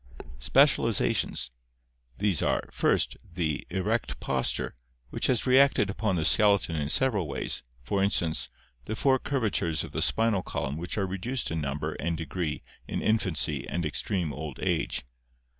Specializations. — These are, first, the erect posture, which has reacted upon the skeleton in several ways, for instance, the four curvatures of the spinal column which are reduced in number and degree in infancy and ex treme old age.